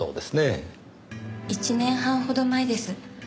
１年半ほど前です。